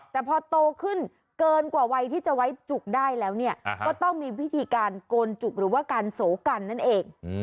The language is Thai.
แต่พอโตขึ้นเกินกว่าวัยที่จะไว้จุกได้แล้วเนี่ยก็ต้องมีวิธีการโกนจุกหรือว่าการโสกันนั่นเอง